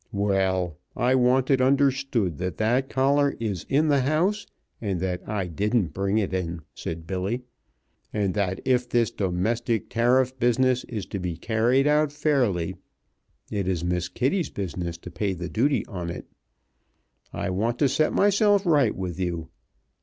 "Well, I want it understood that that collar is in the house, and that I didn't bring it in," said Billy, "and that if this Domestic Tariff business is to be carried out fairly it is Miss Kitty's business to pay the duty on it. I want to set myself right with you.